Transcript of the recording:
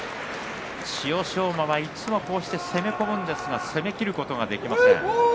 千代翔馬、いつもこうして攻め込むんですが攻めきることができません。